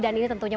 dan ini tentunya